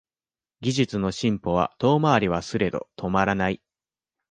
技術の進歩は遠回りはすれど止まらない